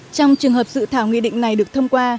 trong trường hợp dự thảo nghị định này được thông qua